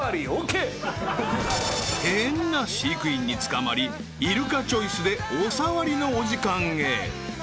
［変な飼育員に捕まりイルカチョイスでお触りのお時間へ］